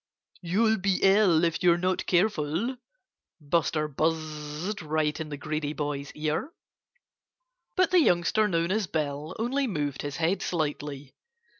"You'll be ill, if you're not careful," Buster buzzed right in the greedy boy's ear. But the youngster known as Bill only moved his head slightly.